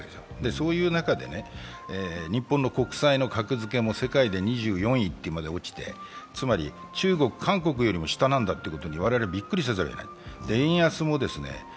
そういう中で、日本の国債の格付けも世界で２４位まで落ちて、つまり中国、韓国より下なんだということに我々はびっくりせざるをえない。